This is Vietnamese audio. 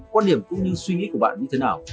quan điểm cũng như suy nghĩ của bạn như thế nào